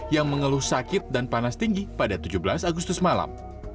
yang mengeluh sakit dan panas tinggi pada tujuh belas agustus malam